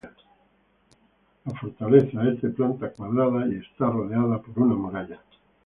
La fortaleza es de planta cuadrada y está rodeada por una muralla.